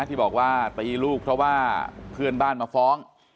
ที่บอกว่าตีลูกเพราะว่าเพื่อนบ้านมาฟ้อง